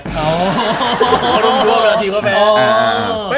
เขาร่วมทั่ว๑นาทีก็แพ้